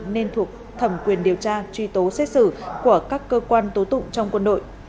nên thuộc thẩm quyền điều tra truy tố xét xử của các cơ quan tố tụng trong quân đội